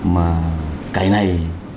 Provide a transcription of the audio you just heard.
mà cái này